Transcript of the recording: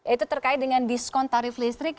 itu terkait dengan diskon tarif listrik